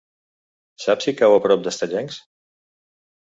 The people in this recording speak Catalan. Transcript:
Saps si cau a prop d'Estellencs?